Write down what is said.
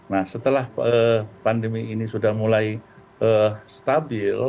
nah setelah pandemi ini sudah mulai stabil